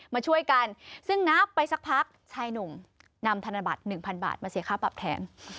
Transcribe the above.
มาช่วยกันซึ่งนับไปสักพักชายหนุ่มนำธนบัตร๑๐๐บาทมาเสียค่าปรับแทน